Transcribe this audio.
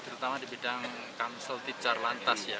terutama di bidang kansel ticar lantas ya